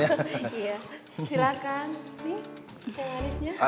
iya silakan nih teh manisnya